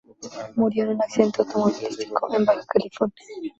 Murió en un accidente automovilístico en Baja California.